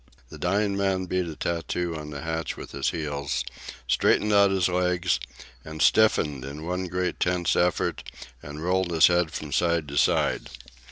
The dying man beat a tattoo on the hatch with his heels, straightened out his legs, and stiffened in one great tense effort, and rolled his head from side to side.